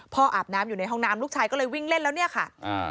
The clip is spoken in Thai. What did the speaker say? อาบน้ำอยู่ในห้องน้ำลูกชายก็เลยวิ่งเล่นแล้วเนี่ยค่ะ